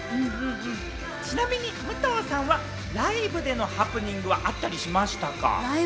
ちなみに武藤さんはライブでのハプニングはあったりしましたか？